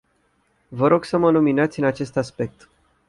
Vă rog să mă luminați în acest aspect.